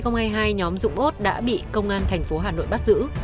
nhóm dũng út đã bị công an thành phố hà nội bắt giữ